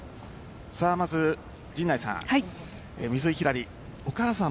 まず、陣内さん。